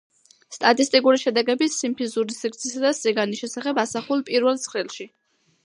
სტატისტიკური შედეგები სიმფიზური სიგრძისა და სიგანის შესახებ ასახული პირველ ცხრილში.